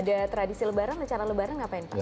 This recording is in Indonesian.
ada tradisi lebaran rencana lebaran apa yang terjadi